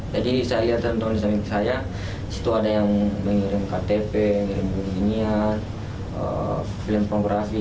jadi saya lihat teman teman disaming saya disitu ada yang mengirim ktp mengirim buku minyak film pornografi